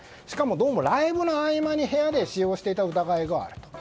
しかもどうもライブの合間に部屋で使用していた疑いがある。